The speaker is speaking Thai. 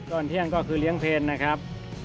ตอนเที่ยงก็คือเลี้ยงเพลนนะครับ